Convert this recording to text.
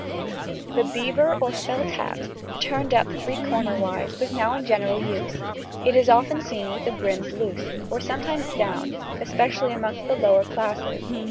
The beaver or felt hat, turned up three cornerwise, was now in general use. It is often seen with the brims loose, or sometimes down, especially amongst the lower classes.